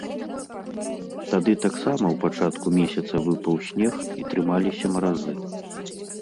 Тады таксама ў пачатку месяца выпаў снег, і трымаліся маразы.